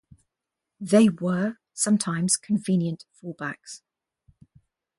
They were sometimes convenient fallbacks.